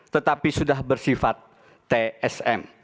tetapi sudah bersifat tsm